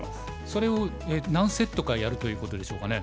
それを何セットかやるということでしょうかね。